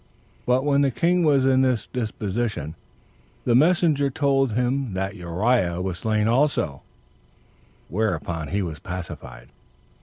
But when the king was in this disposition, the messenger told him that Uriah was slain also; whereupon he was pacified.